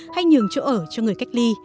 hay nhường chỗ ở cho người cách ly